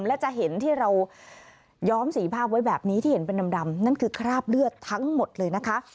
และจะเห็นที่เราย้อมสีภาพไว้แบบนี้ที่เห็นเป็นดำนั่นคือคราบเลือดทั้งหมดเลยนะคะ